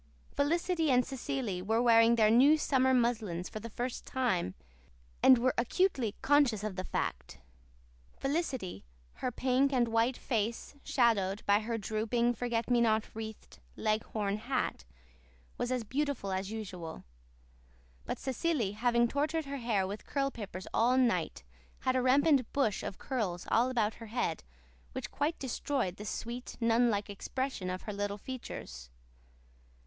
Felicity and Cecily were wearing their new summer muslins for the first time and were acutely conscious of the fact. Felicity, her pink and white face shadowed by her drooping, forget me not wreathed, leghorn hat, was as beautiful as usual; but Cecily, having tortured her hair with curl papers all night, had a rampant bush of curls all about her head which quite destroyed the sweet, nun like expression of her little features.